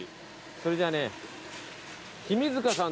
それじゃあね。